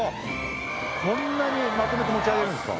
こんなにまとめて持ち上げるんですか？